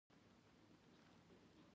زه په شينغالي کې لوبې کوم